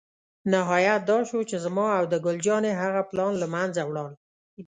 نهایت دا شو چې زما او د ګل جانې هغه پلان له منځه ولاړ.